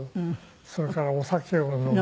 それからお酒を飲む。